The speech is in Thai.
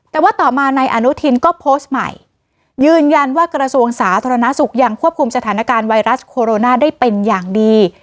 แต่ว่าต่อมานายอนุทินก็โพสต์ใหม่ยืนยันว่ากระทรวงสาธารณสุขยังควบคุมสถานการณ์ไวรัสโคโรนาได้เป็นอย่างดี